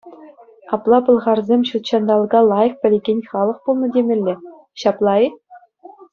Апла пӑлхарсем ҫутҫанталӑка лайӑх пӗлекен халӑх пулнӑ темелле, ҫапла-и?